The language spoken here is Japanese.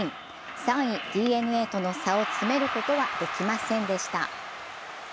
３位・ＤｅＮＡとの差を詰めることはできませんでした。